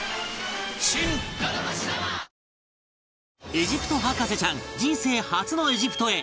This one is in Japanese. エジプト博士ちゃん人生初のエジプトへ